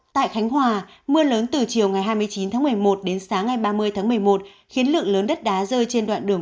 tại khánh hòa mưa lớn từ chiều hai mươi chín một mươi một đến sáng ba mươi một mươi một khiến lượng lớn đất đá rơi trên đoạn đường